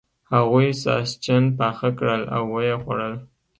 هغوی ساسچن پاخه کړل او و یې خوړل.